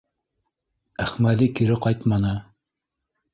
Әхмәҙи кире ҡайтманы.